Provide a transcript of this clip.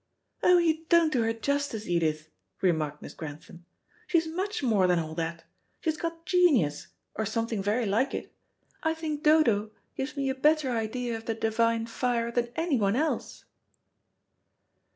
"Oh, you don't do her justice, Edith," remarked Miss Grantham. "She's much more than all that. She has got genius, or something very like it. I think Dodo gives me a better idea of the divine fire than anyone else."